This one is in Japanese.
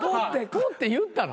「ポッ！」って言ったの？